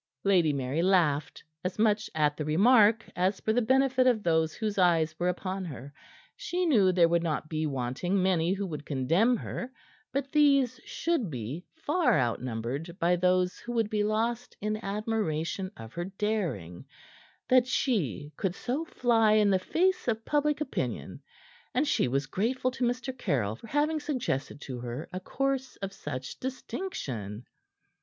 Lady Mary laughed, as much at the remark as for the benefit of those whose eyes were upon her. She knew there would not be wanting many who would condemn her; but these should be far outnumbered by those who would be lost in admiration of her daring, that she could so fly in the face of public opinion; and she was grateful to Mr. Caryll for having suggested to her a course of such distinction.